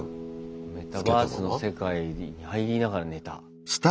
メタバースの世界に入りながら寝た。